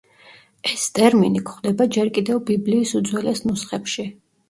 ეს ტერმინი გვხვდება ჯერ კიდევ ბიბლიის უძველეს ნუსხებში.